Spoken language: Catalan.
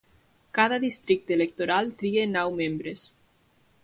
Cada districte electoral tria nou membres.